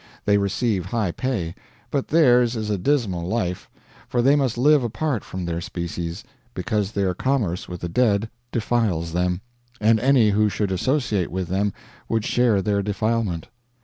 They receive high pay, but theirs is a dismal life, for they must live apart from their species, because their commerce with the dead defiles them, and any who should associate with them would share their defilement.